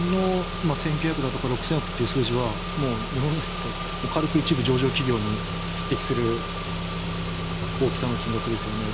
この１９００とか６０００億という数字は日本で言うと軽く１部上場企業に匹敵する大きさの金額ですよね。